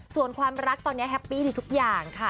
ส่วนความรักตอนนี้แฮปปี้ดีทุกอย่างค่ะ